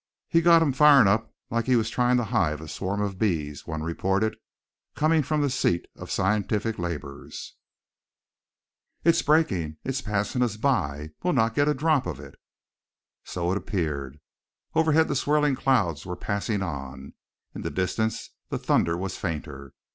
"He's got him firin' up like he was tryin' to hive a swarm of bees," one reported, coming from the seat of scientific labors. "It's breakin', it's passin' by us we'll not get a drop of it!" So it appeared. Overhead the swirling clouds were passing on; in the distance the thunder was fainter.